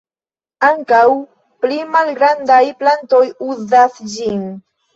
Ankaŭ pli malgrandaj plantoj uzas ĝin.